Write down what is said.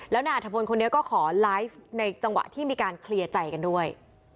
แล้วนายอัธพลคนนี้ก็ขอไลฟ์ในจังหวะที่มีการเคลียร์ใจกันด้วย